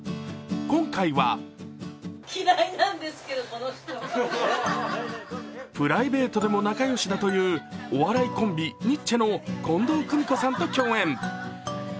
今回はプライベートでも仲よしだというお笑いコンビ・ニッチェの近藤くみこさんと共演。